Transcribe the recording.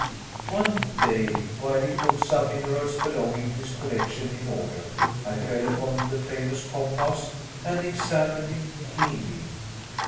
One day, while he put some minerals belonging to his collection in order, I fell upon the famous compass and examined it keenly.